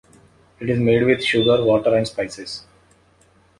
It is made with sugar, water and spices.